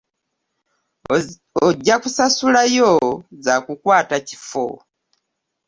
Ojja kusasulayo za kukwata kifo.